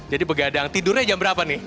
jadi begadang tidurnya jam berapa nih